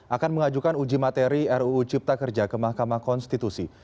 akan mengajukan uji materi ruu cipta kerja ke mahkamah konstitusi